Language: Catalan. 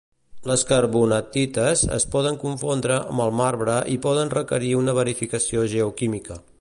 Les carbonatites es poden confondre amb el marbre i poden requerir una verificació geoquímica.